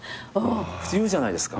言うじゃないですか。